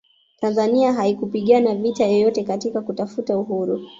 tanzania haikupigana vita yoyote katika kutafuta uhuru